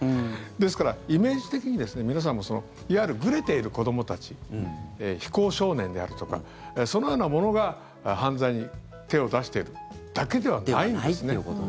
ですからイメージ的に、皆さんもいわゆる、ぐれている子どもたち非行少年であるとかそのような者が犯罪に手を出しているだけではないんですね。